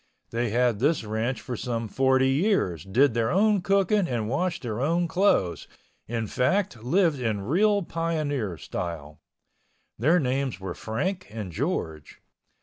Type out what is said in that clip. They had this ranch for some forty years, did their own cooking and washed their clothes, in fact, lived in real pioneer style. Their names were Frank and George.